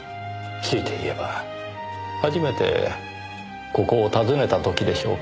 強いて言えば初めてここを訪ねた時でしょうか。